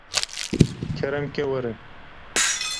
kerem ke were